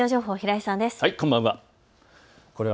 こんばんは。